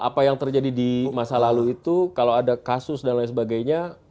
apa yang terjadi di masa lalu itu kalau ada kasus dan lain sebagainya